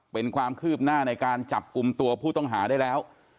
เป็นความคืบหน้าในการจับกลุ่มตัวผู้ต้องหาได้แล้ว